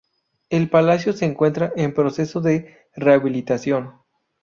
El palacio se encuentra en proceso de rehabilitación.